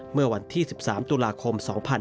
เมื่อวันที่๑๓ตุลาคม๒๕๕๙